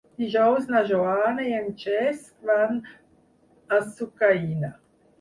Dijous na Joana i en Cesc van a Sucaina.